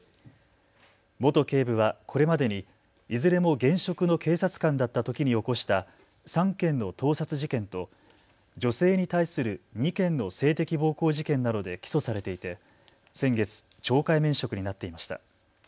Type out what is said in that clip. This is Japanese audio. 元警部はこれまでにいずれも現職の警察官だったときに起こした３件の盗撮事件と女性に対する２件の性的暴行事件などで起訴されていて先月、懲戒免職になっていました。